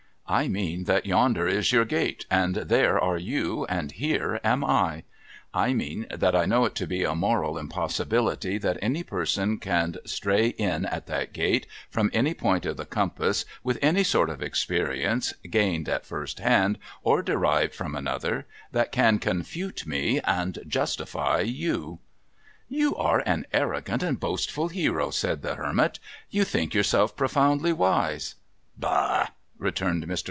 ' I mean that yonder is your gate, and there are you, and here am I ; I mean that I know it to be a moral impossibiHty that any person can stray in at that gate from any point of the compass, with any sort of experience, gained at first hand, or derived from another, that can confute me and justify you.' ' You are an arrogant and boastful hero,' said the Hermit. ' You think yourself profoundly wise.' ' liah I ' returned j\Ir.